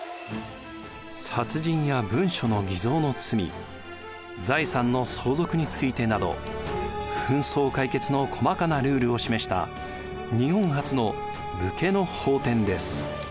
殺人や文書の偽造の罪財産の相続についてなど紛争解決の細かなルールを示した日本初の武家の法典です。